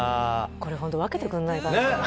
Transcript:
これホント分けてくれないかなねっ！